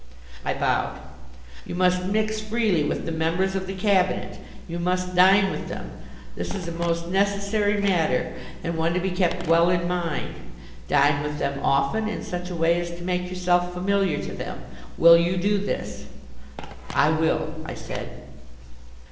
I bowed. "You must mix freely with the members of the Cabinet. You must dine with them. This is a most necessary matter and one to be kept well in mind. Dine with them often in such a way as to make yourself familiar to them. Will you do this?" "I will," I said.